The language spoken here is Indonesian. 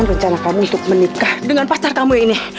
rencana kamu untuk menikah dengan pasar kamu ini